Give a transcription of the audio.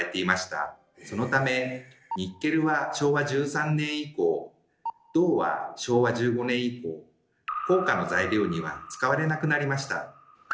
そのためニッケルは昭和１３年以降銅は昭和１５年以降硬貨の材料には使われなくなりました。